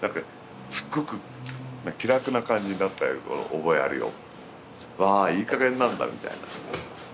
すっごく気楽な感じになった覚えあるよ。わいいかげんなんだみたいな。